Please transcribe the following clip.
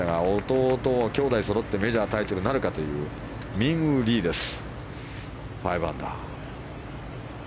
弟、きょうだいそろってメジャータイトルなるかというミンウー・リーです。